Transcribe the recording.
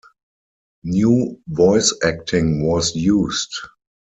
New voice acting was used.